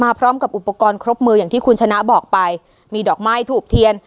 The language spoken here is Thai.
พร้อมกับอุปกรณ์ครบมืออย่างที่คุณชนะบอกไปมีดอกไม้ถูกเทียน